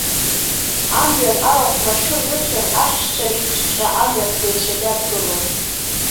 Амҩан арахә машәыр рыхьыр, ахьшьцәа реиԥшҵәҟьа, амҩаԥгаҩцәагьы адгылон.